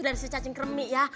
dari si cacing kremi ya